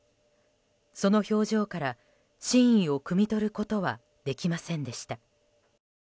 その表情から真意をくみ取ることはできませんでした。